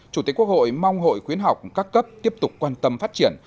chủ tịch quốc hội mong hội khuyến học các cấp tiếp tục quan tâm phát triển